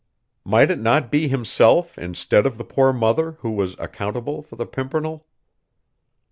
Might it not be himself, instead of the poor mother, who was accountable for the Pimpernel?